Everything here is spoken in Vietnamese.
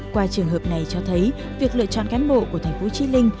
qua trường hợp này cho thấy việc lựa chọn cán bộ của thành phố trí linh